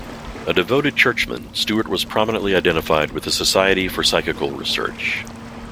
A devoted churchman, Stewart was prominently identified with the Society for Psychical Research.